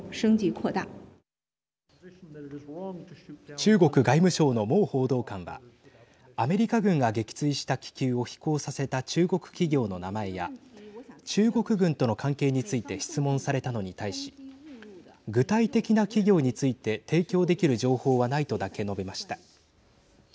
中国外務省の毛報道官はアメリカ軍が撃墜した気球を飛行させた中国企業の名前や中国軍との関係について質問されたのに対し具体的な企業について提供できる情報はないとだけ述べました。